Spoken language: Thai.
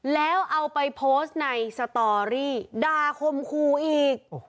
แล้วเอาไปโพสต์ในสตอรี่ด่าคมคู่อีก